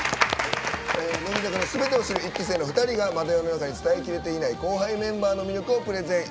乃木坂のすべてを知る１期生の２人がまだ世の中に伝え切れていない後輩メンバーの魅力をお伝えします。